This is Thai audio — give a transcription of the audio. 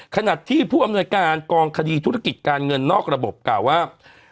ขณะที่ผู้อำนวยการกองคดีธุรกิจการเงินนอกระบบกล่าวว่า